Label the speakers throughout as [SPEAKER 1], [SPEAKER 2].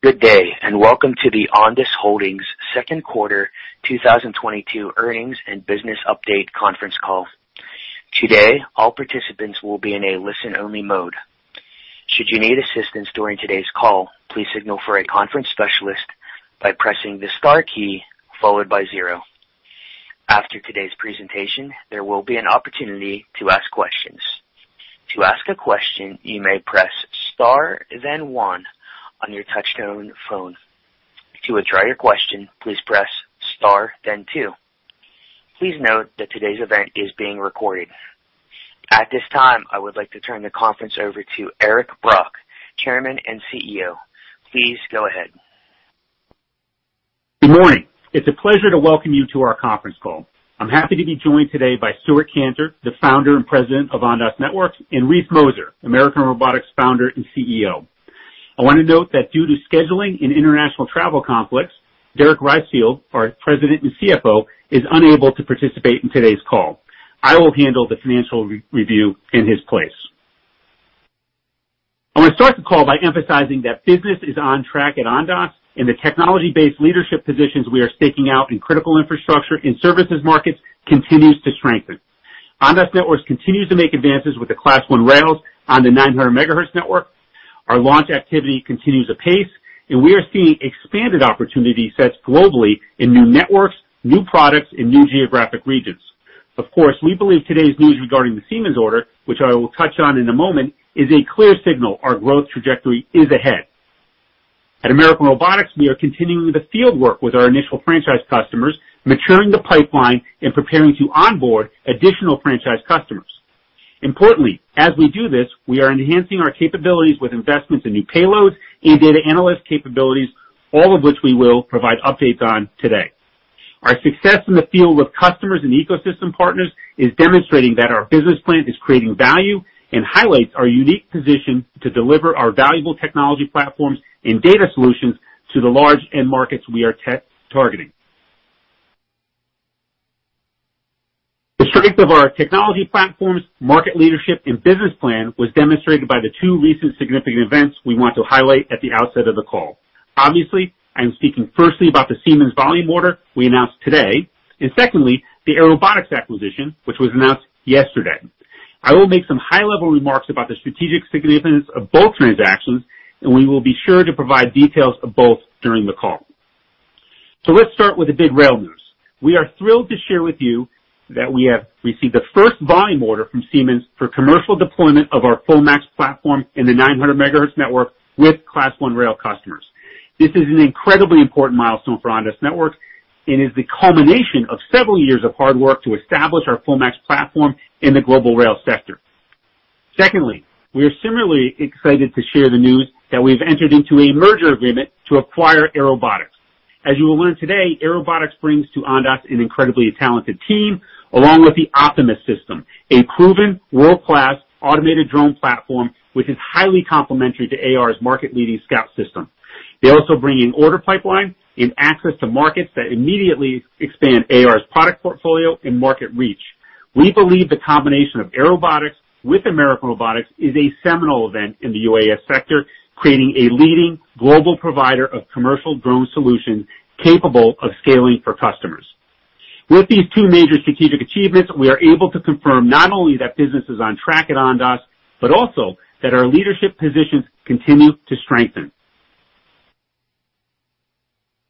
[SPEAKER 1] Good day, and welcome to the Ondas Holdings second quarter 2022 earnings and business update conference call. Today, all participants will be in a listen-only mode. Should you need assistance during today's call, please signal for a conference specialist by pressing the star key followed by zero. After today's presentation, there will be an opportunity to ask questions. To ask a question, you may press star then one on your touchtone phone. To withdraw your question, please press star then two. Please note that today's event is being recorded. At this time, I would like to turn the conference over to Eric Brock, Chairman and CEO. Please go ahead.
[SPEAKER 2] Good morning. It's a pleasure to welcome you to our conference call. I'm happy to be joined today by Stewart Kantor, the Founder and President of Ondas Networks, and Reese Mozer, American Robotics Founder and CEO. I wanna note that due to scheduling and international travel conflicts, Derek Reisfield, our President and CFO, is unable to participate in today's call. I will handle the financial review in his place. I want to start the call by emphasizing that business is on track at Ondas and the technology-based leadership positions we are staking out in critical infrastructure and services markets continues to strengthen. Ondas Networks continues to make advances with the Class I rails on the 900 MHz network. Our launch activity continues apace, and we are seeing expanded opportunity sets globally in new networks, new products, and new geographic regions. Of course, we believe today's news regarding the Siemens order, which I will touch on in a moment, is a clear signal our growth trajectory is ahead. At American Robotics, we are continuing the field work with our initial franchise customers, maturing the pipeline and preparing to onboard additional franchise customers. Importantly, as we do this, we are enhancing our capabilities with investments in new payloads and data analyst capabilities, all of which we will provide updates on today. Our success in the field with customers and ecosystem partners is demonstrating that our business plan is creating value and highlights our unique position to deliver our valuable technology platforms and data solutions to the large end markets we are tech-targeting. The strength of our technology platforms, market leadership, and business plan was demonstrated by the two recent significant events we want to highlight at the outset of the call. Obviously, I am speaking firstly about the Siemens volume order we announced today, and secondly, the Airobotics acquisition, which was announced yesterday. I will make some high-level remarks about the strategic significance of both transactions, and we will be sure to provide details of both during the call. Let's start with the big rail news. We are thrilled to share with you that we have received the first volume order from Siemens for commercial deployment of our FullMAX platform in the 900 MHz network with Class I rail customers. This is an incredibly important milestone for Ondas Networks and is the culmination of several years of hard work to establish our FullMAX platform in the global rail sector. Secondly, we are similarly excited to share the news that we've entered into a merger agreement to acquire Airobotics. As you will learn today, Airobotics brings to Ondas an incredibly talented team, along with the Optimus System, a proven world-class automated drone platform, which is highly complementary to AR's market-leading Scout System. They also bring in order pipeline and access to markets that immediately expand AR's product portfolio and market reach. We believe the combination of Airobotics with American Robotics is a seminal event in the UAS sector, creating a leading global provider of commercial drone solutions capable of scaling for customers. With these two major strategic achievements, we are able to confirm not only that business is on track at Ondas, but also that our leadership positions continue to strengthen.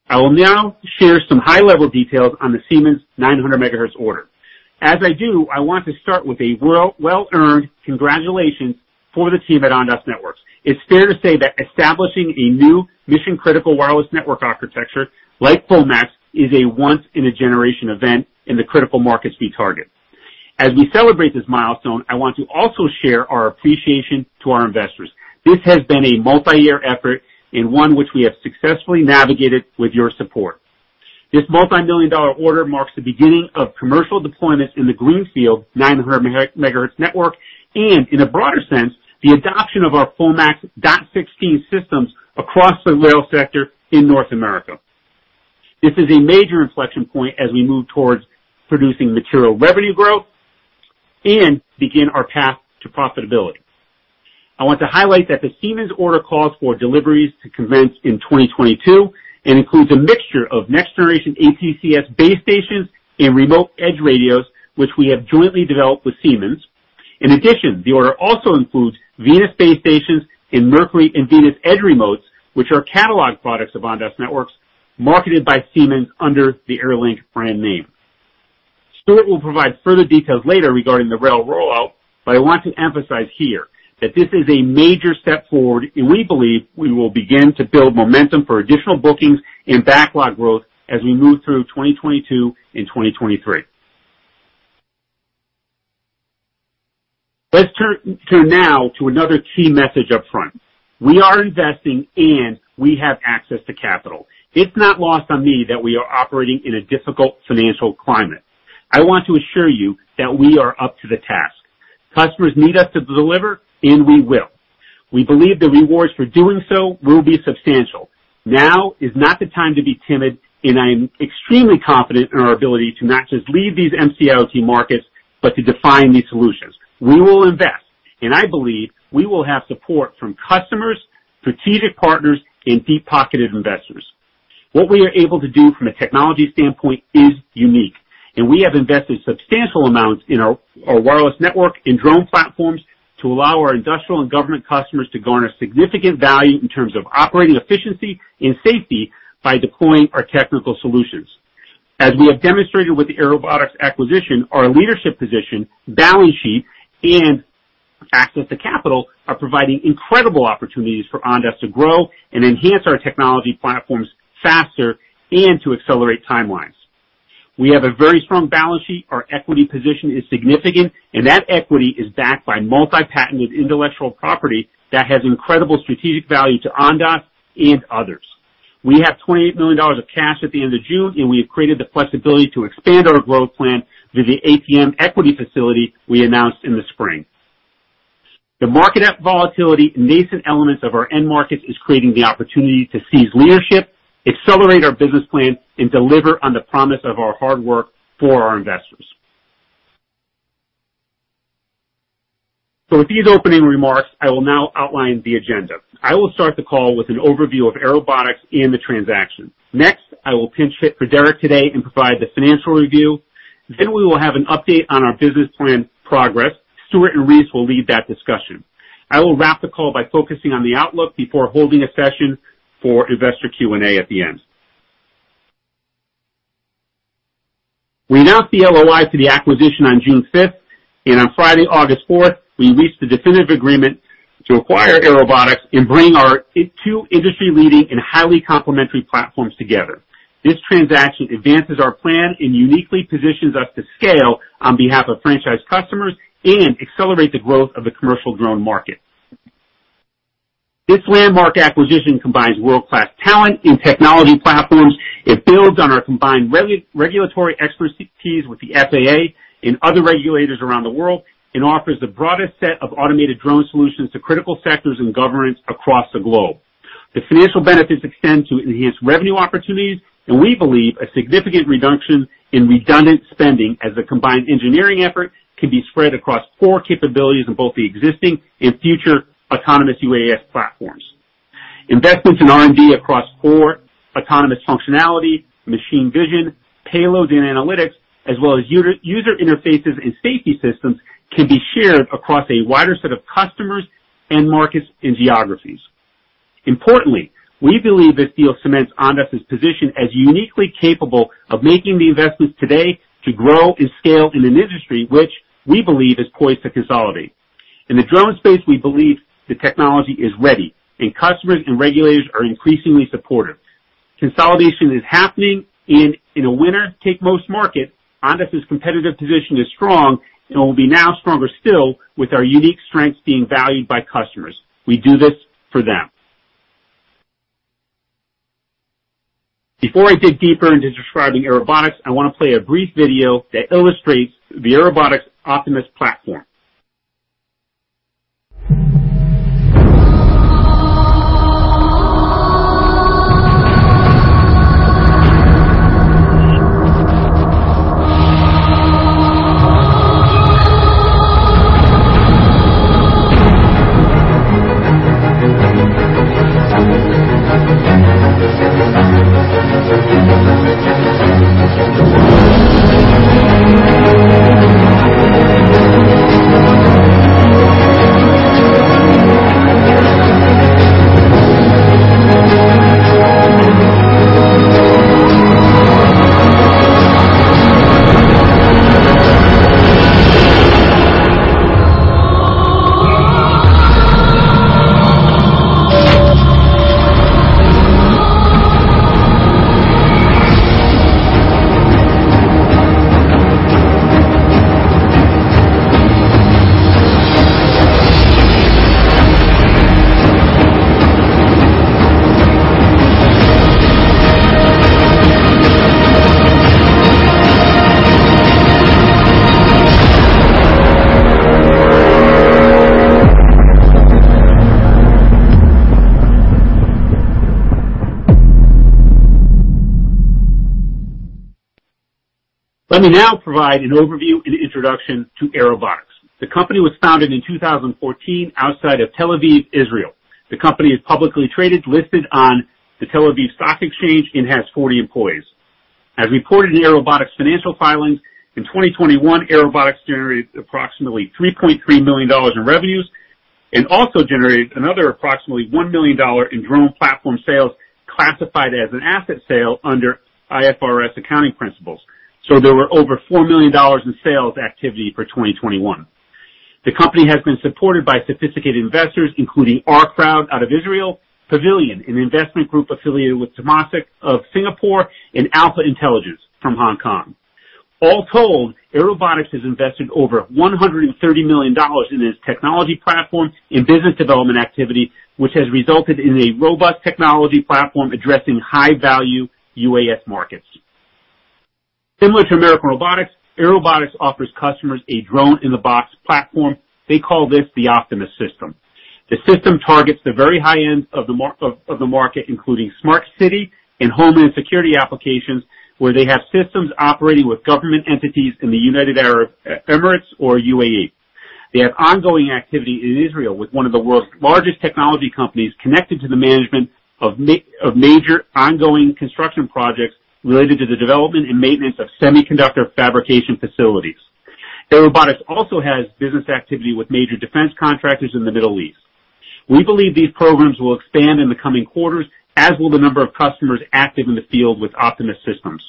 [SPEAKER 2] I will now share some high-level details on the Siemens 900 MHz order. As I do, I want to start with a well-earned congratulations for the team at Ondas Networks. It's fair to say that establishing a new mission-critical wireless network architecture like FullMAX is a once-in-a-generation event in the critical markets we target. As we celebrate this milestone, I want to also share our appreciation to our investors. This has been a multi-year effort and one which we have successfully navigated with your support. This multi-million-dollar order marks the beginning of commercial deployment in the greenfield 900 MHz network and, in a broader sense, the adoption of our FullMAX 802.16 systems across the rail sector in North America. This is a major inflection point as we move towards producing material revenue growth and begin our path to profitability. I want to highlight that the Siemens order calls for deliveries to commence in 2022 and includes a mixture of next-generation ATCS base stations and remote edge radios, which we have jointly developed with Siemens. In addition, the order also includes Venus base stations and Mercury and Venus edge remotes, which are catalog products of Ondas Networks marketed by Siemens under the Airlink brand name. Stewart will provide further details later regarding the rail rollout, but I want to emphasize here that this is a major step forward, and we believe we will begin to build momentum for additional bookings and backlog growth as we move through 2022 and 2023. Let's turn now to another key message up front. We are investing, and we have access to capital. It's not lost on me that we are operating in a difficult financial climate. I want to assure you that we are up to the task. Customers need us to deliver, and we will. We believe the rewards for doing so will be substantial. Now is not the time to be timid, and I am extremely confident in our ability to not just lead these MC-IoT markets, but to define these solutions. We will invest, and I believe we will have support from customers, strategic partners and deep-pocketed investors. What we are able to do from a technology standpoint is unique, and we have invested substantial amounts in our wireless network and drone platforms to allow our industrial and government customers to garner significant value in terms of operating efficiency and safety by deploying our technical solutions. As we have demonstrated with the Airobotics acquisition, our leadership position, balance sheet, and access to capital are providing incredible opportunities for Ondas to grow and enhance our technology platforms faster and to accelerate timelines. We have a very strong balance sheet. Our equity position is significant, and that equity is backed by multi-patented intellectual property that has incredible strategic value to Ondas and others. We have $28 million of cash at the end of June, and we have created the flexibility to expand our growth plan through the ATM equity facility we announced in the spring. The market volatility and nascent elements of our end markets is creating the opportunity to seize leadership, accelerate our business plan, and deliver on the promise of our hard work for our investors. With these opening remarks, I will now outline the agenda. I will start the call with an overview of Airobotics and the transaction. Next, I will pinch-hit for Derek today and provide the financial review. Then we will have an update on our business plan progress. Stewart and Reese will lead that discussion. I will wrap the call by focusing on the outlook before holding a session for investor Q&A at the end. We announced the LOI to the acquisition on June 5th, and on Friday, August 4th, we reached the definitive agreement to acquire Airobotics and bring our two industry-leading and highly complementary platforms together. This transaction advances our plan and uniquely positions us to scale on behalf of franchise customers and accelerate the growth of the commercial drone market. This landmark acquisition combines world-class talent and technology platforms. It builds on our combined regulatory expertise with the FAA and other regulators around the world and offers the broadest set of automated drone solutions to critical sectors and governments across the globe. The financial benefits extend to enhanced revenue opportunities and we believe a significant reduction in redundant spending as the combined engineering effort can be spread across core capabilities in both the existing and future autonomous UAS platforms. Investments in R&D across core autonomous functionality, machine vision, payloads and analytics, as well as user interfaces and safety systems, can be shared across a wider set of customers, end markets and geographies. Importantly, we believe this deal cements Ondas' position as uniquely capable of making the investments today to grow and scale in an industry which we believe is poised to consolidate. In the drone space, we believe the technology is ready and customers and regulators are increasingly supportive. Consolidation is happening and in a winner-take-most market, Ondas' competitive position is strong and will be now stronger still with our unique strengths being valued by customers. We do this for them. Before I dig deeper into describing Airobotics, I want to play a brief video that illustrates the Airobotics Optimus platform. Let me now provide an overview and introduction to Airobotics. The company was founded in 2014 outside of Tel Aviv, Israel. The company is publicly traded, listed on the Tel Aviv Stock Exchange and has 40 employees. As reported in Airobotics' financial filings, in 2021, Airobotics generated approximately $3.3 million in revenues and also generated another approximately $1 million in drone platform sales classified as an asset sale under IFRS accounting principles. There were over $4 million in sales activity for 2021. The company has been supported by sophisticated investors, including OurCrowd out of Israel, Pavilion Capital, an investment group affiliated with Temasek of Singapore, and Alpha Intelligence Capital from Hong Kong. All told, Airobotics has invested over $130 million in its technology platform and business development activity, which has resulted in a robust technology platform addressing high-value UAS markets. Similar to American Robotics, Airobotics offers customers a drone in the box platform. They call this the Optimus System. The system targets the very high end of the market, including smart city and homeland security applications, where they have systems operating with government entities in the United Arab Emirates or U.A.E.. They have ongoing activity in Israel with one of the world's largest technology companies connected to the management of major ongoing construction projects related to the development and maintenance of semiconductor fabrication facilities. Airobotics also has business activity with major defense contractors in the Middle East. We believe these programs will expand in the coming quarters, as will the number of customers active in the field with Optimus Systems.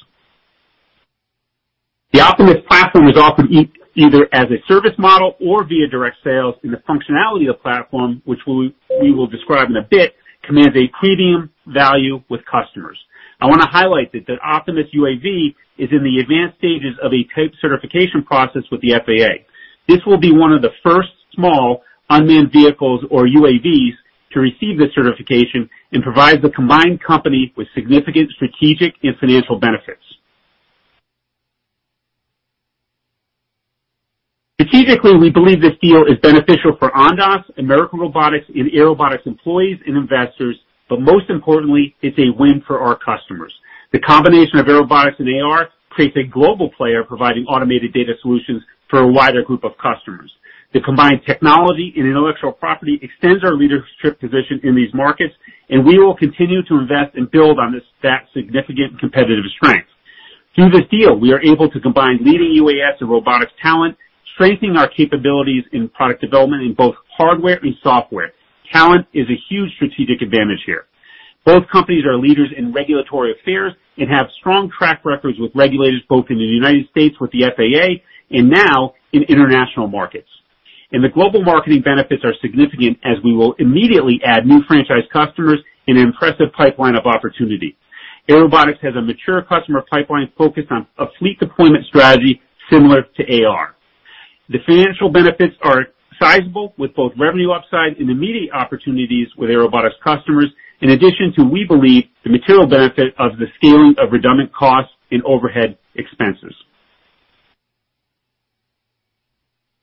[SPEAKER 2] The Optimus platform is offered either as a service model or via direct sales, and the functionality of the platform, which we will describe in a bit, commands a premium value with customers. I wanna highlight that Optimus UAV is in the advanced stages of a type certification process with the FAA. This will be one of the first small unmanned vehicles or UAVs to receive this certification and provide the combined company with significant strategic and financial benefits. Strategically, we believe this deal is beneficial for Ondas, American Robotics and Airobotics employees and investors, but most importantly, it's a win for our customers. The combination of Airobotics and AR creates a global player providing automated data solutions for a wider group of customers. The combined technology and intellectual property extends our leadership position in these markets, and we will continue to invest and build on this, that significant competitive strength. Through this deal, we are able to combine leading UAS and robotics talent, strengthening our capabilities in product development in both hardware and software. Talent is a huge strategic advantage here. Both companies are leaders in regulatory affairs and have strong track records with regulators both in the United States, with the FAA and now in international markets. The global marketing benefits are significant as we will immediately add new franchise customers and an impressive pipeline of opportunity. Airobotics has a mature customer pipeline focused on a fleet deployment strategy similar to AR. The financial benefits are sizable, with both revenue upside and immediate opportunities with Airobotics customers, in addition to, we believe, the material benefit of the scaling of redundant costs and overhead expenses.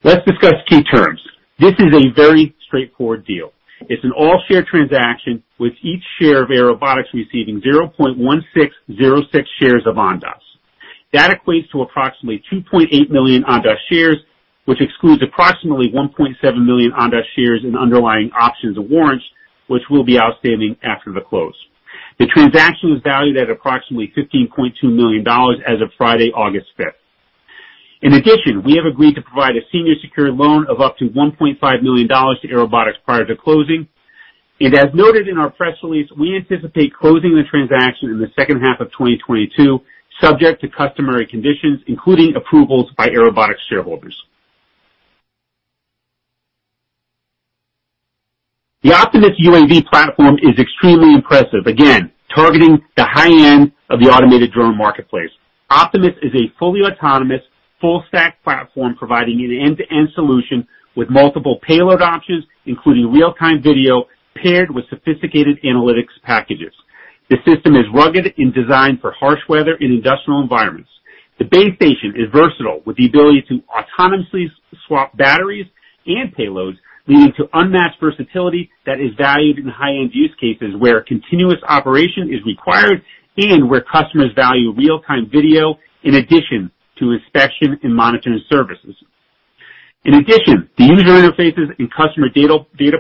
[SPEAKER 2] Let's discuss key terms. This is a very straightforward deal. It's an all-share transaction with each share of Airobotics receiving 0.1606 shares of Ondas. That equates to approximately 2.8 million Ondas shares, which excludes approximately 1.7 million Ondas shares and underlying options and warrants, which will be outstanding after the close. The transaction was valued at approximately $15.2 million as of Friday, August 5th. In addition, we have agreed to provide a senior secured loan of up to $1.5 million to Airobotics prior to closing. As noted in our press release, we anticipate closing the transaction in the second half of 2022, subject to customary conditions, including approvals by Airobotics shareholders. The Optimus UAV platform is extremely impressive, again, targeting the high end of the automated drone marketplace. Optimus is a fully autonomous, full stack platform providing an end-to-end solution with multiple payload options, including real-time video paired with sophisticated analytics packages. The system is rugged and designed for harsh weather and industrial environments. The base station is versatile, with the ability to autonomously swap batteries and payloads, leading to unmatched versatility that is valued in high-end use cases where continuous operation is required and where customers value real-time video in addition to inspection and monitoring services. In addition, the user interfaces and customer data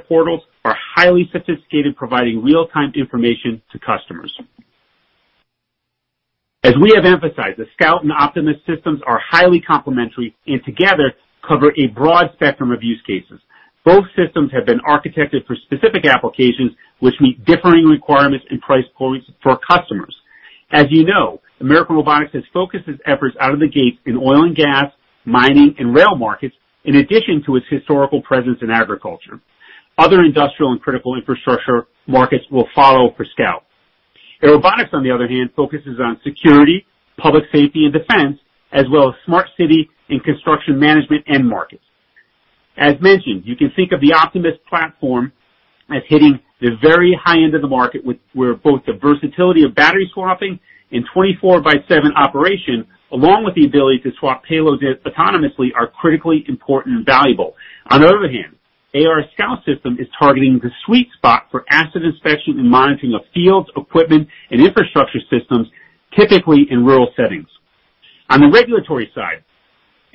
[SPEAKER 2] portals are highly sophisticated, providing real-time information to customers. As we have emphasized, the Scout and Optimus Systems are highly complementary and together cover a broad spectrum of use cases. Both systems have been architected for specific applications which meet differing requirements and price points for customers. As you know, American Robotics has focused its efforts out of the gate in oil and gas, mining and rail markets, in addition to its historical presence in agriculture. Other industrial and critical infrastructure markets will follow for Scout. Airobotics, on the other hand, focuses on security, public safety and defense, as well as smart city and construction management end markets. As mentioned, you can think of the Optimus platform as hitting the very high end of the market, where both the versatility of battery swapping and 24/7 operation, along with the ability to swap payloads autonomously, are critically important and valuable. On the other hand, AR's Scout System is targeting the sweet spot for asset inspection and monitoring of fields, equipment and infrastructure systems, typically in rural settings. On the regulatory side,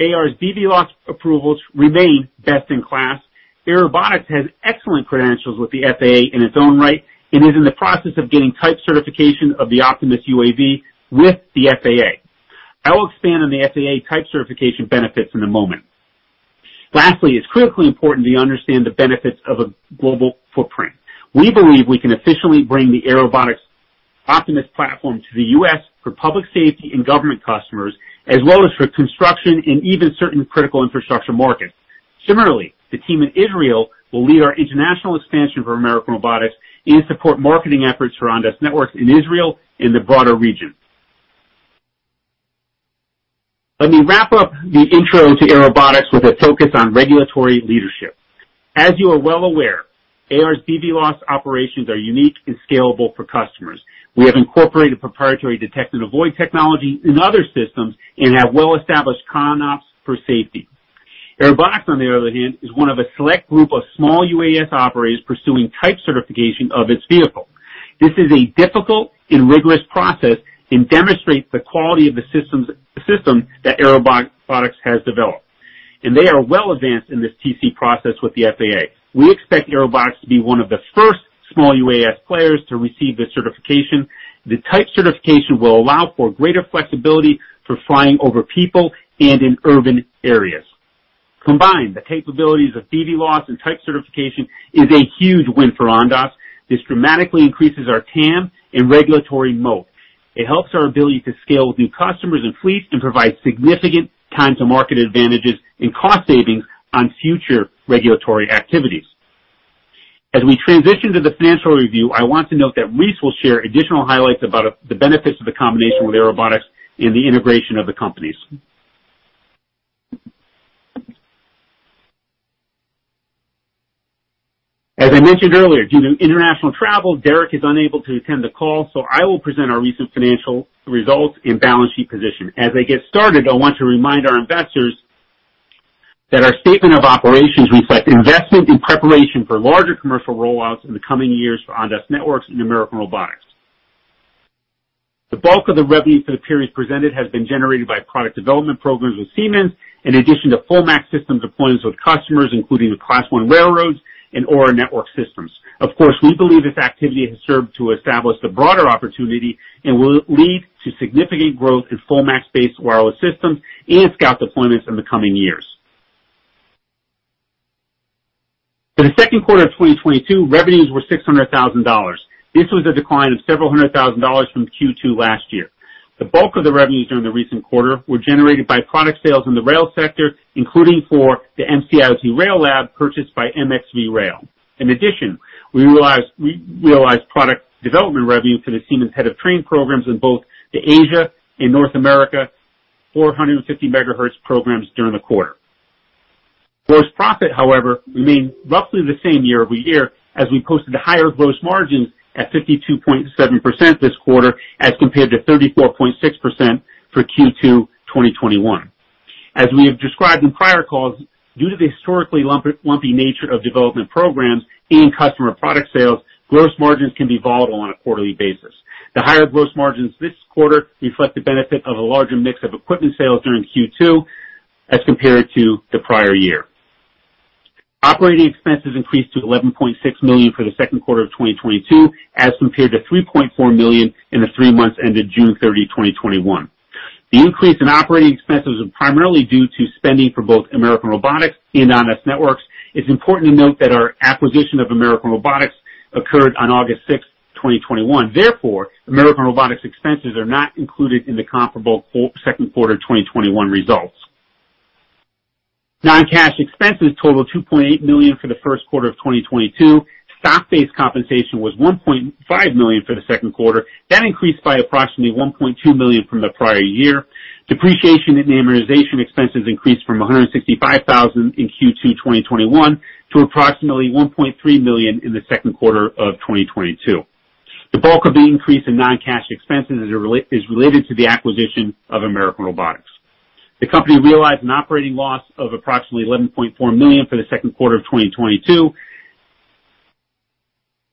[SPEAKER 2] AR's BVLOS approvals remain best in class. Airobotics has excellent credentials with the FAA in its own right and is in the process of getting type certification of the Optimus UAV with the FAA. I will expand on the FAA type certification benefits in a moment. Lastly, it's critically important to understand the benefits of a global footprint. We believe we can officially bring the Airobotics Optimus platform to the U.S. for public safety and government customers, as well as for construction and even certain critical infrastructure markets. Similarly, the team in Israel will lead our international expansion for American Robotics and support marketing efforts around Ondas Networks in Israel and the broader region. Let me wrap up the intro to Airobotics with a focus on regulatory leadership. As you are well aware, AR's BVLOS operations are unique and scalable for customers. We have incorporated proprietary detect and avoid technology in other systems and have well-established CONOPS for safety. Airobotics, on the other hand, is one of a select group of small UAS operators pursuing type certification of its vehicle. This is a difficult and rigorous process and demonstrates the quality of the systems that Airobotics has developed. They are well advanced in this TC process with the FAA. We expect Airobotics to be one of the first small UAS players to receive this certification. The type certification will allow for greater flexibility for flying over people and in urban areas. Combined, the capabilities of BVLOS and type certification is a huge win for Ondas. This dramatically increases our TAM and regulatory moat. It helps our ability to scale with new customers and fleets and provide significant time to market advantages and cost savings on future regulatory activities. As we transition to the financial review, I want to note that Reese will share additional highlights about the benefits of the combination with Airobotics and the integration of the companies. As I mentioned earlier, due to international travel, Derek is unable to attend the call, so I will present our recent financial results and balance sheet position. As I get started, I want to remind our investors that our statement of operations reflect investment in preparation for larger commercial rollouts in the coming years for Ondas Networks and American Robotics. The bulk of the revenues for the period presented has been generated by product development programs with Siemens, in addition to FullMAX systems deployments with customers including the Class I railroads and AURA Network Systems. Of course, we believe this activity has served to establish the broader opportunity and will lead to significant growth in FullMAX-based wireless systems and Scout deployments in the coming years. For the second quarter of 2022, revenues were $600,000. This was a decline of several $100,000 from Q2 last year. The bulk of the revenues during the recent quarter were generated by product sales in the rail sector, including for the MC-IoT Rail Lab purchased by MxV Rail. In addition, we realized product development revenue for the Siemens head of train programs in both Asia and North America, 450 MHz programs during the quarter. Gross profit, however, remained roughly the same year-over-year as we posted higher gross margins at 52.7% this quarter as compared to 34.6% for Q2 2021. As we have described in prior calls, due to the historically lumpy nature of development programs and customer product sales, gross margins can be volatile on a quarterly basis. The higher gross margins this quarter reflect the benefit of a larger mix of equipment sales during Q2 as compared to the prior year. Operating expenses increased to $11.6 million for the second quarter of 2022, as compared to $3.4 million in the three months ended June 30, 2021. The increase in operating expenses was primarily due to spending for both American Robotics and Ondas Networks. It's important to note that our acquisition of American Robotics occurred on August 6, 2021. Therefore, American Robotics expenses are not included in the comparable second quarter 2021 results. Non-cash expenses totaled $2.8 million for the first quarter of 2022. Stock-based compensation was $1.5 million for the second quarter. That increased by approximately $1.2 million from the prior year. Depreciation and amortization expenses increased from $165,000 in Q2 2021 to approximately $1.3 million in the second quarter of 2022. The bulk of the increase in non-cash expenses is related to the acquisition of American Robotics. The company realized an operating loss of approximately $11.4 million for the second quarter of 2022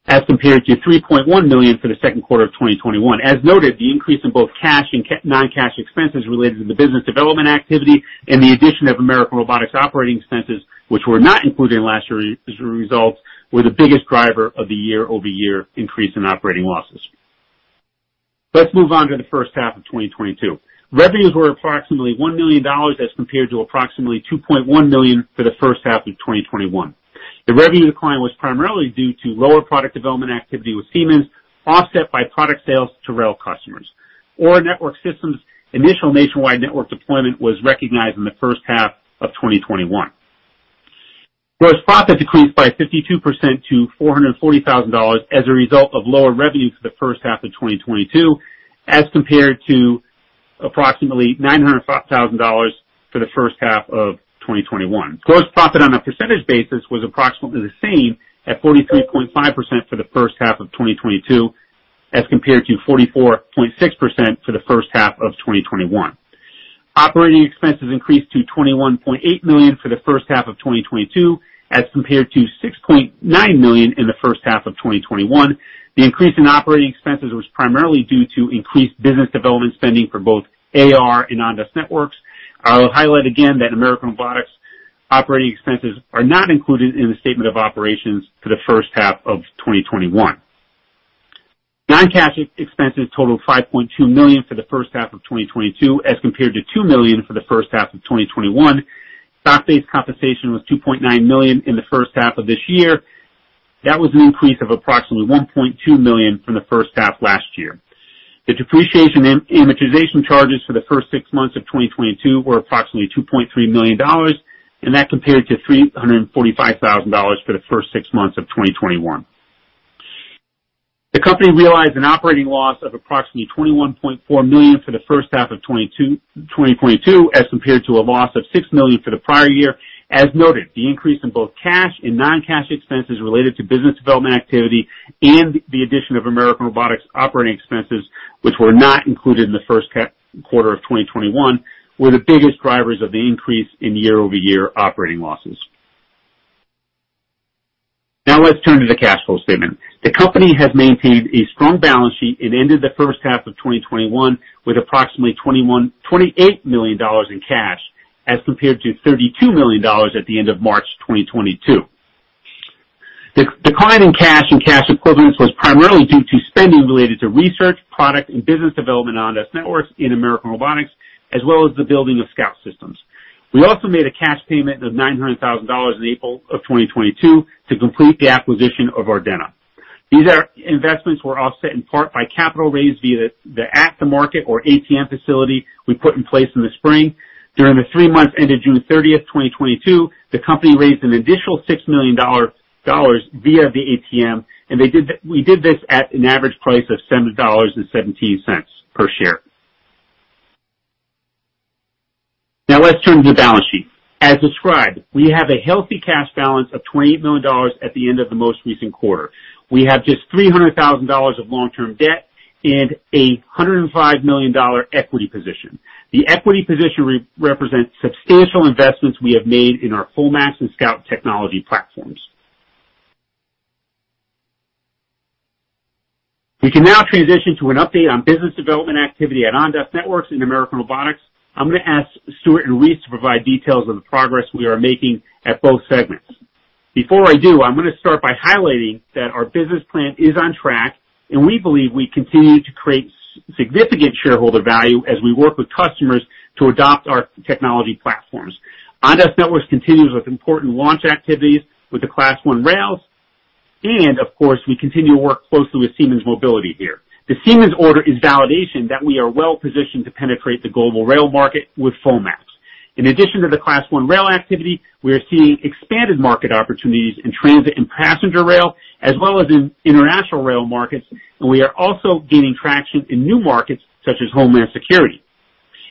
[SPEAKER 2] as compared to $3.1 million for the second quarter of 2021. As noted, the increase in both cash and non-cash expenses related to the business development activity and the addition of American Robotics operating expenses, which were not included in last year's results, were the biggest driver of the year-over-year increase in operating losses. Let's move on to the first half of 2022. Revenues were approximately $1 million as compared to approximately $2.1 million for the first half of 2021. The revenue decline was primarily due to lower product development activity with Siemens, offset by product sales to rail customers. AURA Network Systems' initial nationwide network deployment was recognized in the first half of 2021. Gross profit decreased by 52% to $440,000 as a result of lower revenue for the first half of 2022, as compared to approximately $900,000 for the first half of 2021. Gross profit on a percentage basis was approximately the same at 43.5% for the first half of 2022, as compared to 44.6% for the first half of 2021. Operating expenses increased to $21.8 million for the first half of 2022, as compared to $6.9 million in the first half of 2021. The increase in operating expenses was primarily due to increased business development spending for both AR and Ondas Networks. I'll highlight again that American Robotics operating expenses are not included in the statement of operations for the first half of 2021. Non-cash expenses totaled $5.2 million for the first half of 2022, as compared to $2 million for the first half of 2021. Stock-based compensation was $2.9 million in the first half of this year. That was an increase of approximately $1.2 million from the first half last year. The depreciation and amortization charges for the first six months of 2022 were approximately $2.3 million, and that compared to $345,000 for the first six months of 2021. The company realized an operating loss of approximately $21.4 million for the first half of 2022, as compared to a loss of $6 million for the prior year. As noted, the increase in both cash and non-cash expenses related to business development activity and the addition of American Robotics operating expenses, which were not included in the first half of 2021, were the biggest drivers of the increase in year-over-year operating losses. Now let's turn to the cash flow statement. The company has maintained a strong balance sheet and ended the first half of 2021 with approximately $28 million in cash, as compared to $32 million at the end of March 2022. The decline in cash and cash equivalents was primarily due to spending related to research, product and business development at Ondas Networks and American Robotics, as well as the building of Scout System. We also made a cash payment of $900,000 in April 2022 to complete the acquisition of Ardenna. These investments were offset in part by capital raised via the at-the-market or ATM facility we put in place in the spring. During the three months ended June 30, 2022, the company raised an additional $6 million via the ATM, and we did this at an average price of $7.17 per share. Now let's turn to the balance sheet. As described, we have a healthy cash balance of $28 million at the end of the most recent quarter. We have just $300,000 of long-term debt and a $105 million equity position. The equity position represents substantial investments we have made in our FullMAX and Scout technology platforms. We can now transition to an update on business development activity at Ondas Networks and American Robotics. I'm gonna ask Stewart and Reese to provide details on the progress we are making at both segments. Before I do, I'm gonna start by highlighting that our business plan is on track, and we believe we continue to create significant shareholder value as we work with customers to adopt our technology platforms. Ondas Networks continues with important launch activities with the Class I rails, and of course, we continue to work closely with Siemens Mobility here. The Siemens order is validation that we are well-positioned to penetrate the global rail market with FullMAX. In addition to the Class I rail activity, we are seeing expanded market opportunities in transit and passenger rail, as well as in international rail markets, and we are also gaining traction in new markets such as Homeland Security.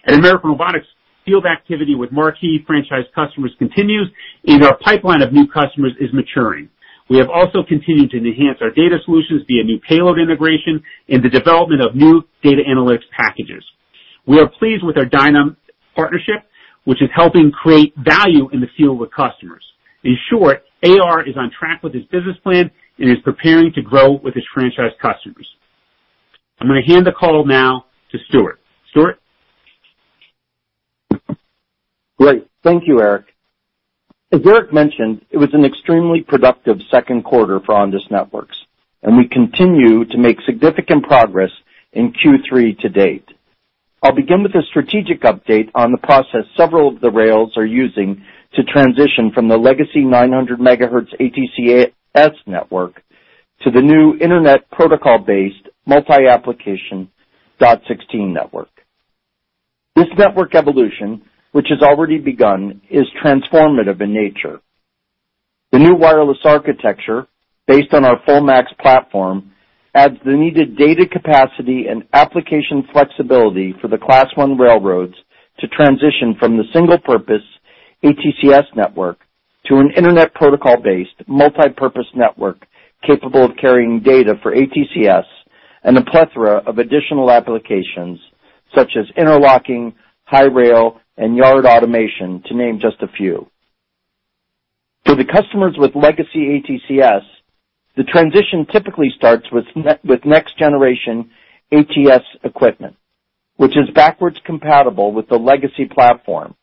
[SPEAKER 2] At American Robotics, field activity with marquee franchise customers continues and our pipeline of new customers is maturing. We have also continued to enhance our data solutions via new payload integration and the development of new data analytics packages. We are pleased with our Dynam.AI Partnership, which is helping create value in the field with customers. In short, AR is on track with its business plan and is preparing to grow with its franchise customers. I'm gonna hand the call now to Stewart. Stewart?
[SPEAKER 3] Great. Thank you, Eric. As Eric mentioned, it was an extremely productive second quarter for Ondas Networks, and we continue to make significant progress in Q3 to date. I'll begin with a strategic update on the process several of the rails are using to transition from the legacy 900 MHz ATCS network to the new internet protocol-based multi-application 802.16 network. This network evolution, which has already begun, is transformative in nature. The new wireless architecture, based on our FullMAX platform, adds the needed data capacity and application flexibility for the Class I railroads to transition from the single purpose ATCS network to an Internet protocol-based multi-purpose network capable of carrying data for ATCS and a plethora of additional applications such as interlocking, high rail, and yard automation, to name just a few. For the customers with legacy ATCS, the transition typically starts with next generation ATCS equipment, which is backwards compatible with the legacy platform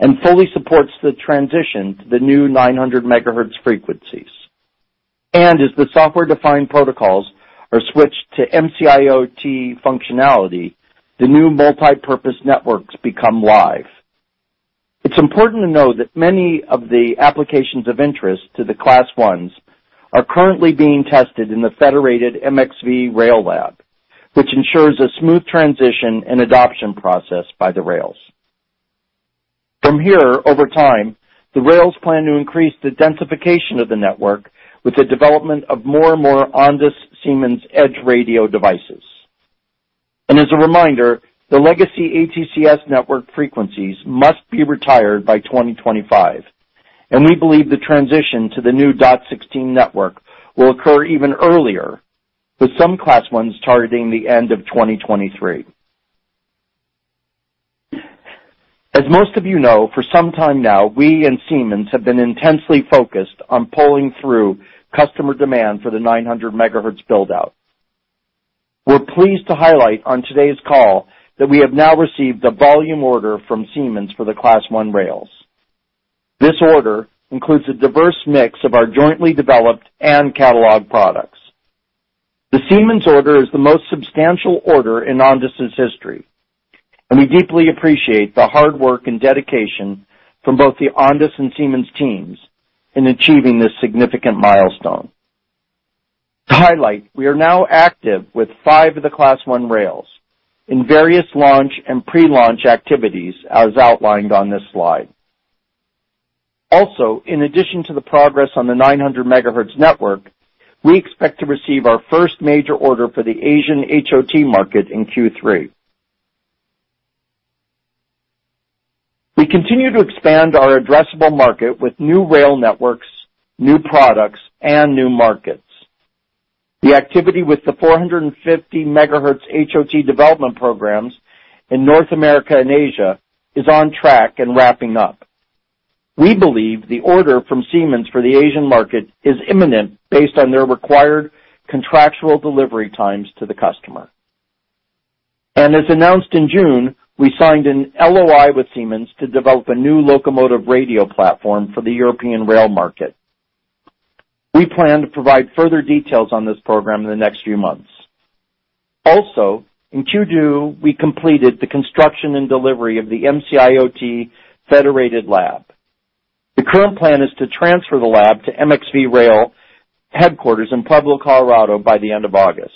[SPEAKER 3] and fully supports the transition to the new 900 MHz frequencies. As the software-defined protocols are switched to MC-IoT functionality, the new multipurpose networks become live. It's important to note that many of the applications of interest to the Class I's are currently being tested in the MC-IoT Federated Rail Lab, which ensures a smooth transition and adoption process by the rails. From here, over time, the rails plan to increase the densification of the network with the development of more and more Ondas and Siemens edge radio devices. As a reminder, the legacy ATCS network frequencies must be retired by 2025, and we believe the transition to the new 802.16 network will occur even earlier, with some Class I targeting the end of 2023. As most of you know, for some time now, we and Siemens have been intensely focused on pulling through customer demand for the 900 MHz build-out. We're pleased to highlight on today's call that we have now received a volume order from Siemens for the Class I rails. This order includes a diverse mix of our jointly developed and catalog products. The Siemens order is the most substantial order in Ondas' history, and we deeply appreciate the hard work and dedication from both the Ondas and Siemens teams in achieving this significant milestone. To highlight, we are now active with five of the Class I rails in various launch and pre-launch activities, as outlined on this slide. Also, in addition to the progress on the 900 MHz network, we expect to receive our first major order for the Asian HOT market in Q3. We continue to expand our addressable market with new rail networks, new products, and new markets. The activity with the 450 MHz HOT development programs in North America and Asia is on track and wrapping up. We believe the order from Siemens for the Asian market is imminent based on their required contractual delivery times to the customer. As announced in June, we signed an LOI with Siemens to develop a new locomotive radio platform for the European rail market. We plan to provide further details on this program in the next few months. In Q2, we completed the construction and delivery of the MC-IoT Federated Rail Lab. The current plan is to transfer the lab to MxV Rail headquarters in Pueblo, Colorado, by the end of August.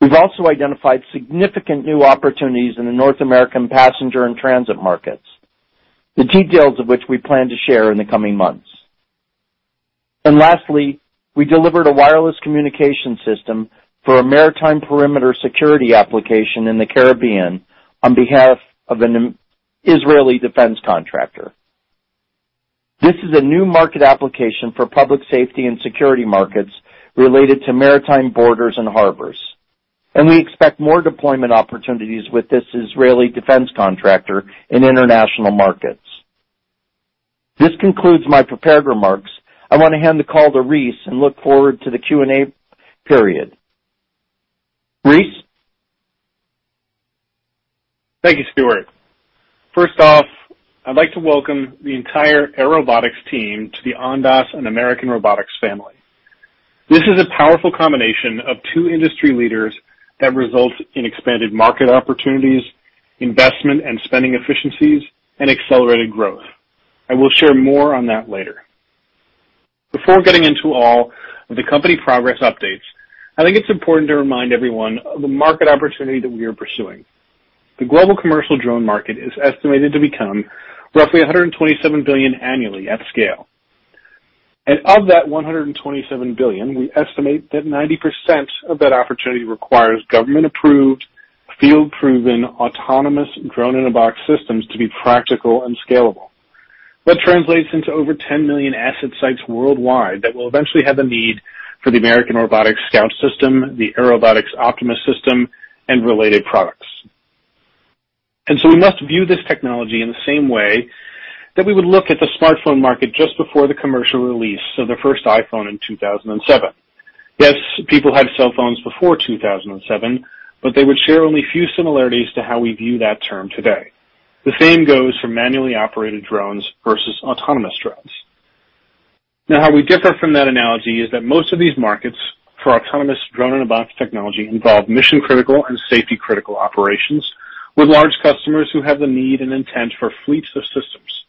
[SPEAKER 3] We've also identified significant new opportunities in the North American passenger and transit markets, the details of which we plan to share in the coming months. Lastly, we delivered a wireless communication system for a maritime perimeter security application in the Caribbean on behalf of an Israeli defense contractor. This is a new market application for public safety and security markets related to maritime borders and harbors, and we expect more deployment opportunities with this Israeli defense contractor in international markets. This concludes my prepared remarks. I want to hand the call to Reese and look forward to the Q&A period. Reese?
[SPEAKER 4] Thank you, Stewart. First off, I'd like to welcome the entire Airobotics team to the Ondas and American Robotics family. This is a powerful combination of two industry leaders that result in expanded market opportunities, investment and spending efficiencies, and accelerated growth. I will share more on that later. Before getting into all of the company progress updates, I think it's important to remind everyone of the market opportunity that we are pursuing. The global commercial drone market is estimated to become roughly $127 billion annually at scale. Of that $127 billion, we estimate that 90% of that opportunity requires government-approved, field-proven, autonomous drone-in-a-box systems to be practical and scalable. That translates into over 10 million asset sites worldwide that will eventually have a need for the American Robotics Scout System, the Airobotics Optimus System, and related products. We must view this technology in the same way that we would look at the smartphone market just before the commercial release of the first iPhone in 2007. Yes, people had cell phones before 2007, but they would share only few similarities to how we view that term today. The same goes for manually operated drones versus autonomous drones. Now, how we differ from that analogy is that most of these markets for autonomous drone and box technology involve mission-critical and safety-critical operations with large customers who have the need and intent for fleets of systems.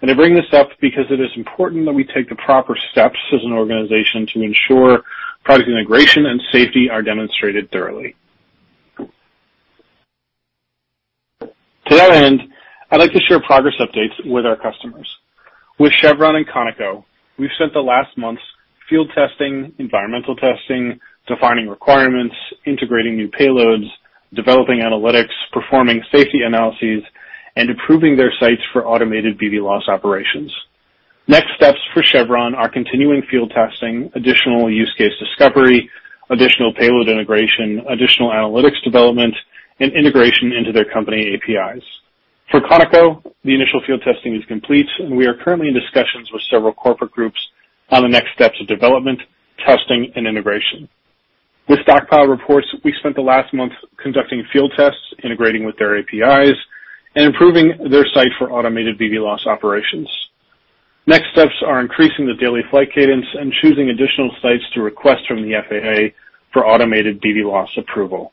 [SPEAKER 4] I bring this up because it is important that we take the proper steps as an organization to ensure product integration and safety are demonstrated thoroughly. To that end, I'd like to share progress updates with our customers. With Chevron and ConocoPhillips, we've spent the last months field testing, environmental testing, defining requirements, integrating new payloads, developing analytics, performing safety analyses, and improving their sites for automated BVLOS operations. Next steps for Chevron are continuing field testing, additional use case discovery, additional payload integration, additional analytics development, and integration into their company APIs. For ConocoPhillips, the initial field testing is complete, and we are currently in discussions with several corporate groups on the next steps of development, testing, and integration. With Stockpile Reports, we spent the last month conducting field tests, integrating with their APIs, and improving their site for automated BVLOS operations. Next steps are increasing the daily flight cadence and choosing additional sites to request from the FAA for automated BVLOS approval.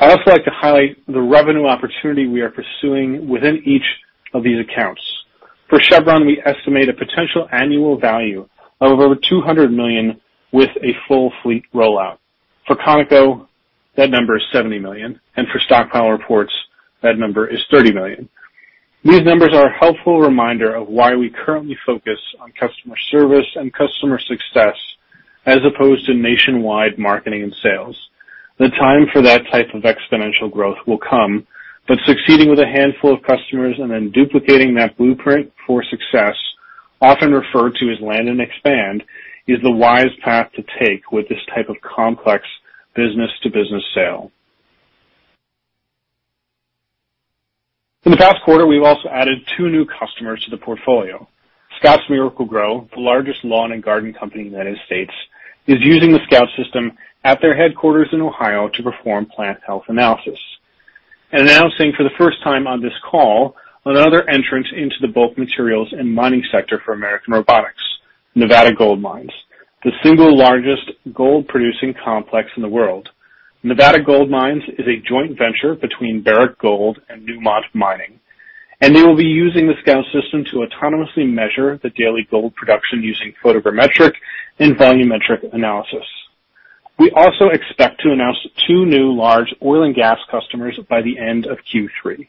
[SPEAKER 4] I'd also like to highlight the revenue opportunity we are pursuing within each of these accounts. For Chevron, we estimate a potential annual value of over $200 million with a full fleet rollout. For Conoco, that number is $70 million, and for Stockpile Reports, that number is $30 million. These numbers are a helpful reminder of why we currently focus on customer service and customer success as opposed to nationwide marketing and sales. The time for that type of exponential growth will come, but succeeding with a handful of customers and then duplicating that blueprint for success, often referred to as land and expand, is the wise path to take with this type of complex business-to-business sale. In the past quarter, we've also added two new customers to the portfolio. Scotts Miracle-Gro, the largest lawn and garden company in the United States, is using the Scout System at their headquarters in Ohio to perform plant health analysis. Announcing for the first time on this call, another entrance into the bulk materials and mining sector for American Robotics, Nevada Gold Mines, the single largest gold-producing complex in the world. Nevada Gold Mines is a joint venture between Barrick Gold and Newmont Corporation, and they will be using the Scout System to autonomously measure the daily gold production using photogrammetric and volumetric analysis. We also expect to announce two new large oil and gas customers by the end of Q3.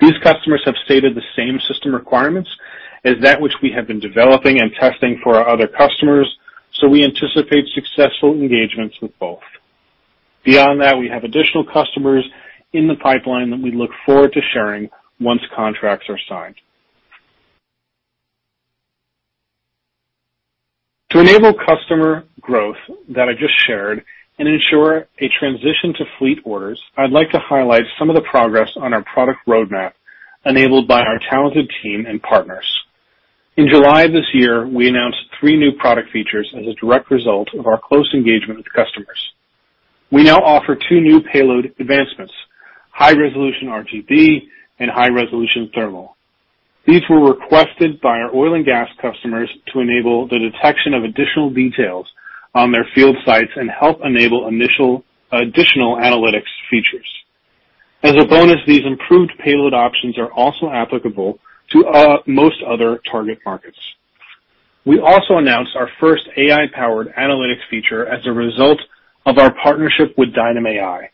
[SPEAKER 4] These customers have stated the same system requirements as that which we have been developing and testing for our other customers, so we anticipate successful engagements with both. Beyond that, we have additional customers in the pipeline that we look forward to sharing once contracts are signed. To enable customer growth that I just shared and ensure a transition to fleet orders, I'd like to highlight some of the progress on our product roadmap enabled by our talented team and partners. In July this year, we announced three new product features as a direct result of our close engagement with customers. We now offer two new payload advancements, high resolution RGB and high resolution thermal. These were requested by our oil and gas customers to enable the detection of additional details on their field sites and help enable additional analytics features. As a bonus, these improved payload options are also applicable to, most other target markets. We also announced our first AI powered analytics feature as a result of our partnership with Dynam.AI.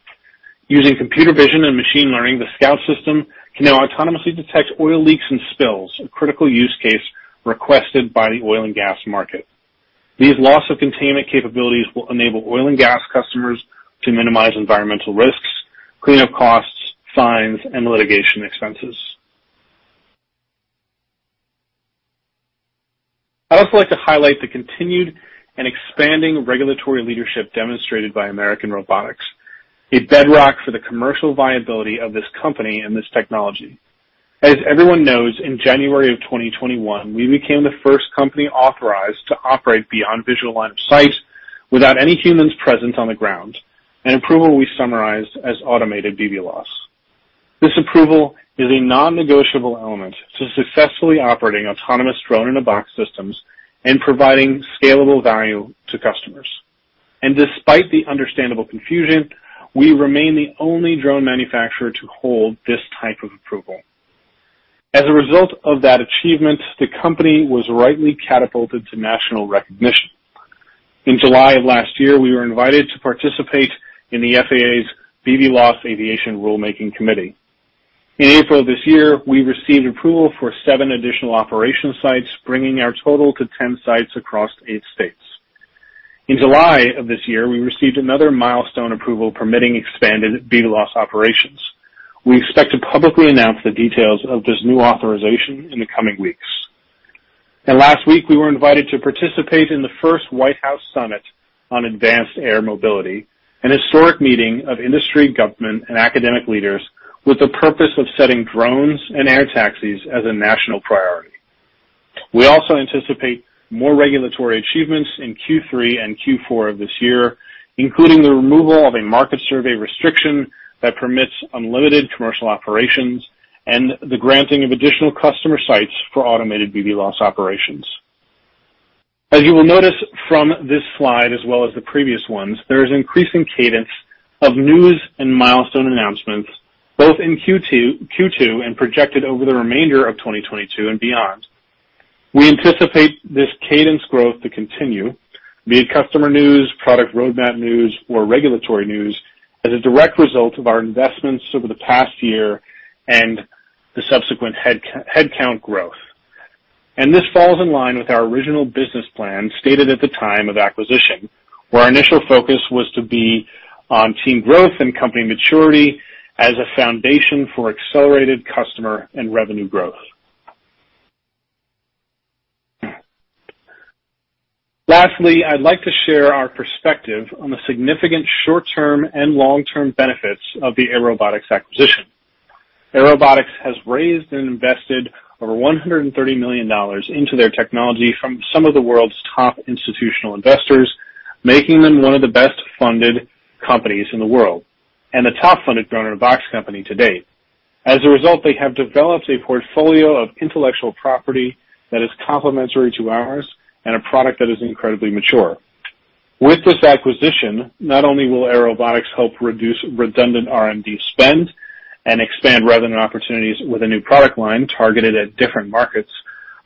[SPEAKER 4] Using computer vision and machine learning, the Scout System can now autonomously detect oil leaks and spills, a critical use case requested by the oil and gas market. These loss of containment capabilities will enable oil and gas customers to minimize environmental risks, cleanup costs, fines, and litigation expenses. I'd also like to highlight the continued and expanding regulatory leadership demonstrated by American Robotics, a bedrock for the commercial viability of this company and this technology. As everyone knows, in January 2021, we became the first company authorized to operate beyond visual line of sight without any humans present on the ground, an approval we summarized as automated BVLOS. This approval is a non-negotiable element to successfully operating autonomous drone-in-a-box systems and providing scalable value to customers. Despite the understandable confusion, we remain the only drone manufacturer to hold this type of approval. As a result of that achievement, the company was rightly catapulted to national recognition. In July of last year, we were invited to participate in the FAA's BVLOS Aviation Rulemaking Committee. In April this year, we received approval for seven additional operation sites, bringing our total to 10 sites across eight states. In July of this year, we received another milestone approval permitting expanded BVLOS operations. We expect to publicly announce the details of this new authorization in the coming weeks. Last week, we were invited to participate in the first White House Summit on advanced air mobility, an historic meeting of industry, government, and academic leaders with the purpose of setting drones and air taxis as a national priority. We also anticipate more regulatory achievements in Q3 and Q4 of this year, including the removal of a market survey restriction that permits unlimited commercial operations and the granting of additional customer sites for automated BVLOS operations. As you will notice from this slide as well as the previous ones, there is increasing cadence of news and milestone announcements both in Q2 and projected over the remainder of 2022 and beyond. We anticipate this cadence growth to continue via customer news, product roadmap news, or regulatory news as a direct result of our investments over the past year and the subsequent headcount growth. This falls in line with our original business plan stated at the time of acquisition, where our initial focus was to be on team growth and company maturity as a foundation for accelerated customer and revenue growth. Lastly, I'd like to share our perspective on the significant short-term and long-term benefits of the Airobotics acquisition. Airobotics has raised and invested over $130 million into their technology from some of the world's top institutional investors, making them one of the best funded companies in the world and the top funded drone-in-a-box company to date. As a result, they have developed a portfolio of intellectual property that is complementary to ours and a product that is incredibly mature. With this acquisition, not only will Airobotics help reduce redundant R&D spend and expand revenue opportunities with a new product line targeted at different markets,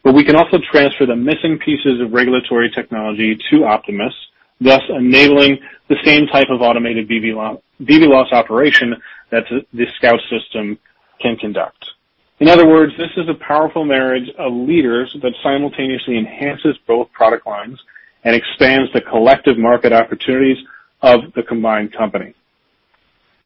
[SPEAKER 4] but we can also transfer the missing pieces of regulatory technology to Optimus, thus enabling the same type of automated BVLOS operation that the Scout System can conduct. In other words, this is a powerful marriage of leaders that simultaneously enhances both product lines and expands the collective market opportunities of the combined company.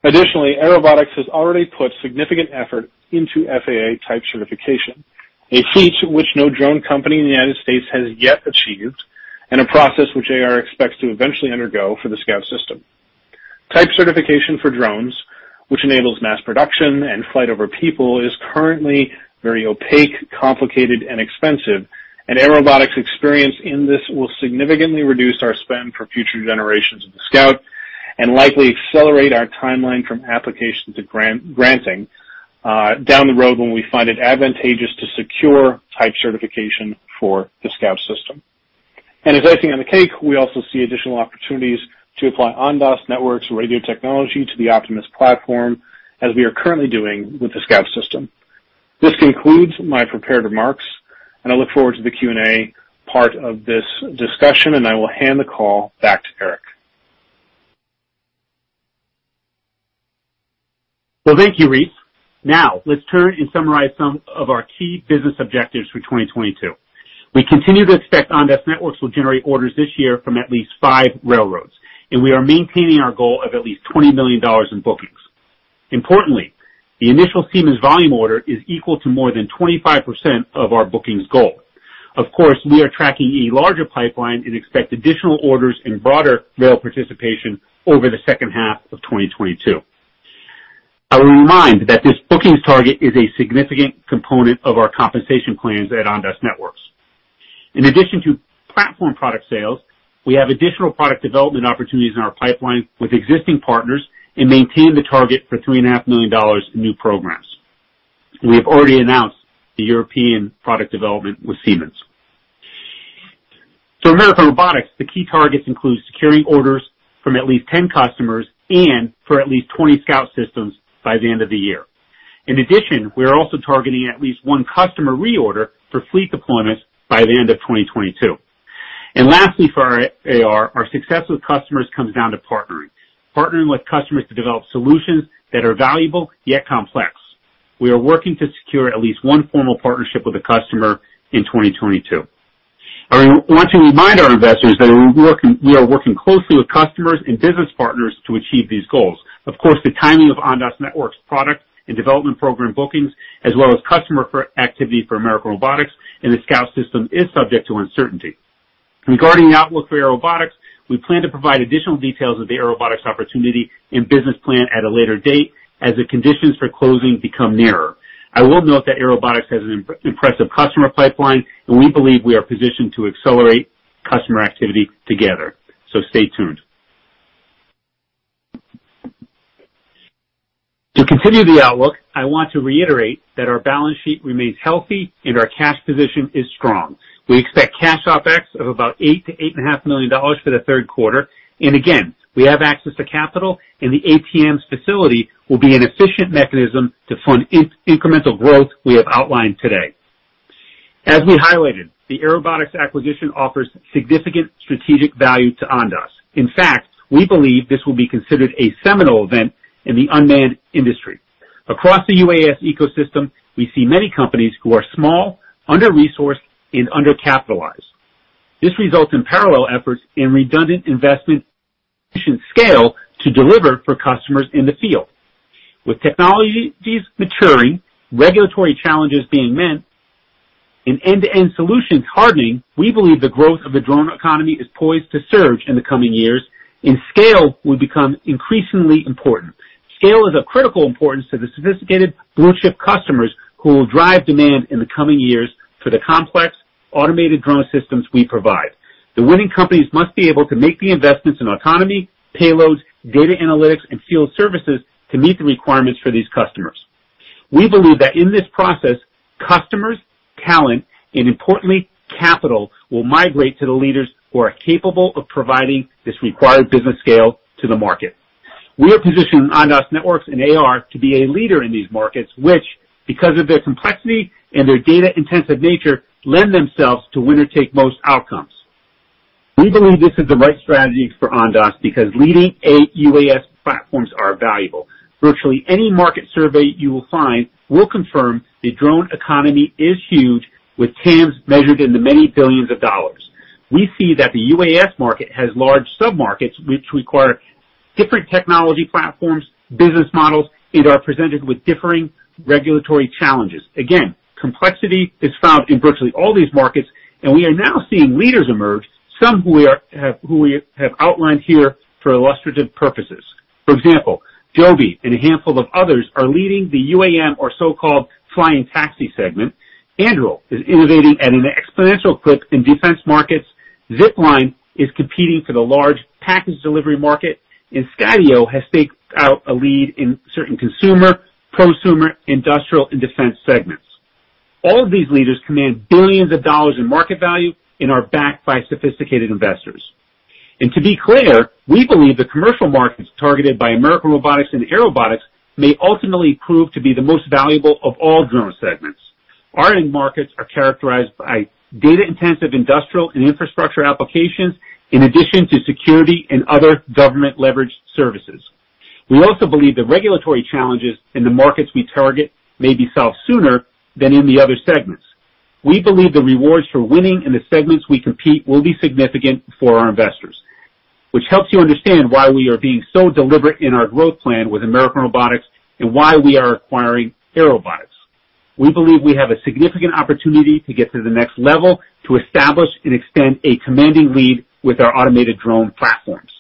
[SPEAKER 4] Additionally, Airobotics has already put significant effort into FAA type certification, a feat which no drone company in the United States has yet achieved, and a process which AR expects to eventually undergo for the Scout System. Type certification for drones, which enables mass production and flight over people, is currently very opaque, complicated, and expensive. Airobotics' experience in this will significantly reduce our spend for future generations of the Scout and likely accelerate our timeline from application to granting down the road when we find it advantageous to secure type certification for the Scout System. As icing on the cake, we also see additional opportunities to apply Ondas Networks radio technology to the Optimus platform, as we are currently doing with the Scout System. This concludes my prepared remarks, and I look forward to the Q&A part of this discussion, and I will hand the call back to Eric.
[SPEAKER 2] Well, thank you, Reese. Now, let's turn and summarize some of our key business objectives for 2022. We continue to expect Ondas Networks will generate orders this year from at least five railroads, and we are maintaining our goal of at least $20 million in bookings. Importantly, the initial Siemens volume order is equal to more than 25% of our bookings goal. Of course, we are tracking a larger pipeline and expect additional orders and broader rail participation over the second half of 2022. I will remind that this bookings target is a significant component of our compensation plans at Ondas Networks. In addition to platform product sales, we have additional product development opportunities in our pipeline with existing partners and maintain the target for $3.5 million in new programs. We have already announced the European product development with Siemens. American Robotics, the key targets include securing orders from at least 10 customers and for at least 20 Scout Systems by the end of the year. In addition, we are also targeting at least one customer reorder for fleet deployment by the end of 2022. Lastly, for AR, our success with customers comes down to partnering. Partnering with customers to develop solutions that are valuable yet complex. We are working to secure at least one formal partnership with a customer in 2022. I want to remind our investors that we are working closely with customers and business partners to achieve these goals. Of course, the timing of Ondas Networks product and development program bookings, as well as customer activity for American Robotics and the Scout System is subject to uncertainty. Regarding the outlook for Airobotics, we plan to provide additional details of the Airobotics opportunity and business plan at a later date as the conditions for closing become nearer. I will note that Airobotics has an impressive customer pipeline, and we believe we are positioned to accelerate customer activity together. Stay tuned. To continue the outlook, I want to reiterate that our balance sheet remains healthy and our cash position is strong. We expect cash OpEx of about $8 million-$8.5 million for the third quarter. Again, we have access to capital and the ATM facility will be an efficient mechanism to fund incremental growth we have outlined today. As we highlighted, the Airobotics acquisition offers significant strategic value to Ondas. In fact, we believe this will be considered a seminal event in the unmanned industry. Across the UAS ecosystem, we see many companies who are small, under-resourced, and undercapitalized. This results in parallel efforts and redundant investments scale to deliver for customers in the field. With technologies maturing, regulatory challenges being met, and end-to-end solutions hardening, we believe the growth of the drone economy is poised to surge in the coming years, and scale will become increasingly important. Scale is of critical importance to the sophisticated blue-chip customers who will drive demand in the coming years for the complex automated drone systems we provide. The winning companies must be able to make the investments in autonomy, payloads, data analytics, and field services to meet the requirements for these customers. We believe that in this process, customers, talent, and importantly, capital will migrate to the leaders who are capable of providing this required business scale to the market. We are positioned Ondas Networks and AR to be a leader in these markets, which, because of their complexity and their data-intensive nature, lend themselves to winner-take-most outcomes. We believe this is the right strategy for Ondas because leading a UAS platforms are valuable. Virtually any market survey you will find will confirm the drone economy is huge, with TAMs measured in the many billions of dollars. We see that the UAS market has large sub-markets, which require different technology platforms, business models, and are presented with differing regulatory challenges. Again, complexity is found in virtually all these markets, and we are now seeing leaders emerge, some who we have outlined here for illustrative purposes. For example, Joby and a handful of others are leading the UAM or so-called flying taxi segment. Anduril is innovating at an exponential clip in defense markets. Zipline is competing for the large package delivery market. Skydio has staked out a lead in certain consumer, prosumer, industrial, and defense segments. All of these leaders command billions of dollars in market value and are backed by sophisticated investors. To be clear, we believe the commercial markets targeted by American Robotics and Airobotics may ultimately prove to be the most valuable of all drone segments. Our end markets are characterized by data-intensive industrial and infrastructure applications, in addition to security and other government-leveraged services. We also believe the regulatory challenges in the markets we target may be solved sooner than in the other segments. We believe the rewards for winning in the segments we compete will be significant for our investors, which helps you understand why we are being so deliberate in our growth plan with American Robotics and why we are acquiring Airobotics. We believe we have a significant opportunity to get to the next level to establish and extend a commanding lead with our automated drone platforms.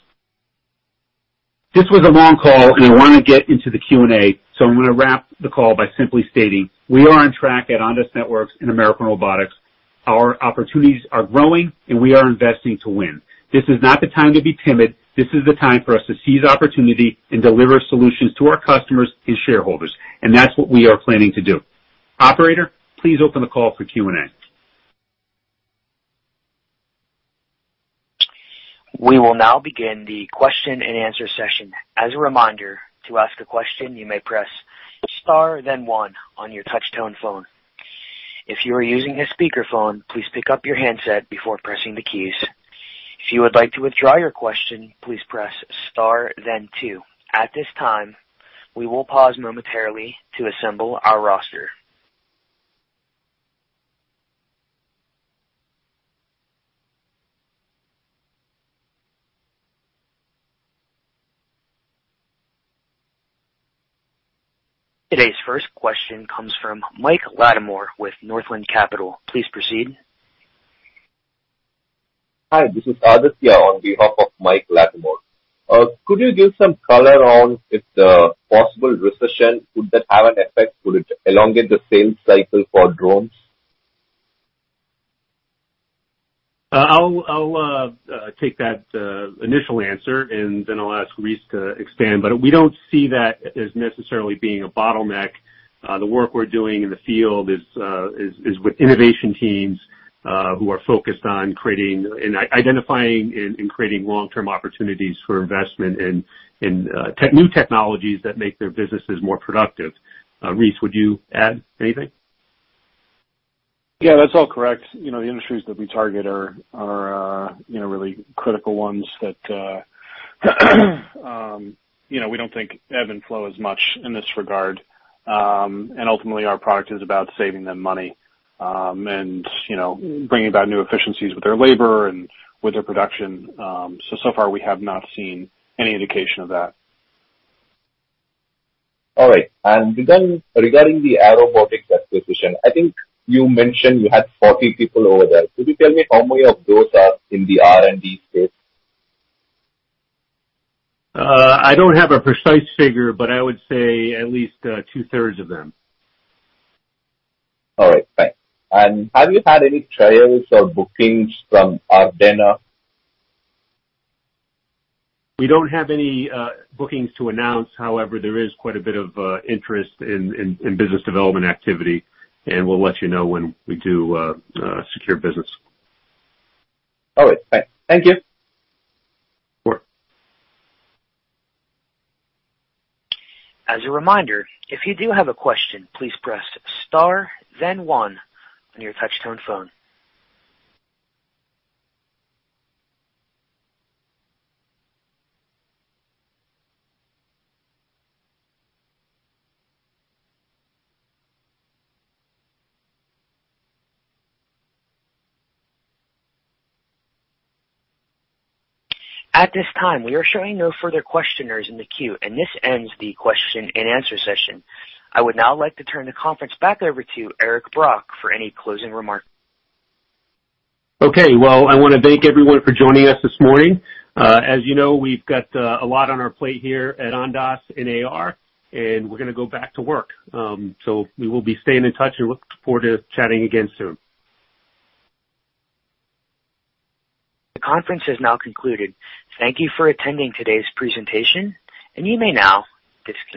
[SPEAKER 2] This was a long call, and I wanna get into the Q&A, so I'm gonna wrap the call by simply stating we are on track at Ondas Networks and American Robotics. Our opportunities are growing, and we are investing to win. This is not the time to be timid. This is the time for us to seize opportunity and deliver solutions to our customers and shareholders, and that's what we are planning to do. Operator, please open the call for Q&A.
[SPEAKER 1] We will now begin the Q&A session. As a reminder, to ask a question, you may press star then one on your touch-tone phone. If you are using a speaker phone, please pick up your handset before pressing the keys. If you would like to withdraw your question, please press star then two. At this time, we will pause momentarily to assemble our roster. Today's first question comes from Mike Latimore with Northland Capital Markets. Please proceed.
[SPEAKER 5] Hi, this is Aditya on behalf of Mike Latimore. Could you give some color on if the possible recession, could that have an effect? Could it elongate the sales cycle for drones?
[SPEAKER 2] I'll take that initial answer, and then I'll ask Reese to expand. We don't see that as necessarily being a bottleneck. The work we're doing in the field is with innovation teams who are focused on creating and identifying and creating long-term opportunities for investment in new technologies that make their businesses more productive. Reese, would you add anything?
[SPEAKER 4] Yeah, that's all correct. You know, the industries that we target are, you know, really critical ones that, you know, we don't think ebb and flow as much in this regard. Ultimately our product is about saving them money, and, you know, bringing about new efficiencies with their labor and with their production. So far we have not seen any indication of that.
[SPEAKER 5] All right. Regarding the Airobotics acquisition, I think you mentioned you had 40 people over there. Could you tell me how many of those are in the R&D space?
[SPEAKER 2] I don't have a precise figure, but I would say at least 2/3 of them.
[SPEAKER 5] All right, thanks. Have you had any trials or bookings from Ardenna?
[SPEAKER 2] We don't have any bookings to announce. However, there is quite a bit of interest in business development activity, and we'll let you know when we do secure business.
[SPEAKER 5] All right, thanks. Thank you.
[SPEAKER 2] Sure.
[SPEAKER 1] As a reminder, if you do have a question, please press star then one on your touchtone phone. At this time, we are showing no further questioners in the queue, and this ends the Q&A session. I would now like to turn the conference back over to Eric Brock for any closing remarks.
[SPEAKER 2] Okay. Well, I wanna thank everyone for joining us this morning. As you know, we've got a lot on our plate here at Ondas and AR, and we're gonna go back to work. We will be staying in touch and look forward to chatting again soon.
[SPEAKER 1] The conference has now concluded. Thank you for attending today's presentation, and you may now disconnect.